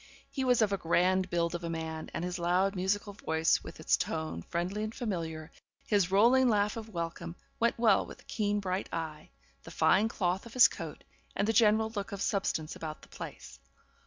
He was of a grand build of a man, and his loud musical voice, with its tone friendly and familiar, his rolling laugh of welcome, went well with the keen bright eye, the fine cloth of his coat, and the general look of substance about the place.